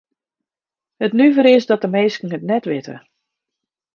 It nuvere is dat de minsken it net witte.